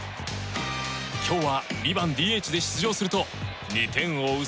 今日は２番ＤＨで出場すると２点を追う